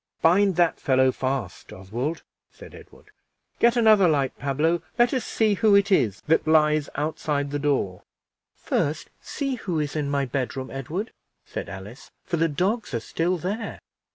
"Bind that fellow fast, Oswald," said Edward. "Get another light, Pablo; let us see who it is that lies outside the door." "First see who is in my bedroom, Edward," said Alice, "for the dogs are still there."